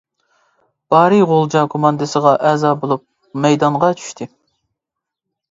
بارى غۇلجا كوماندىسىغا ئەزا بولۇپ مەيدانغا چۈشتى.